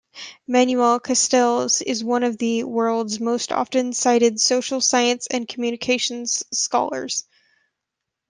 Manuel Castells is one of the world's most often-cited social science and communications scholars.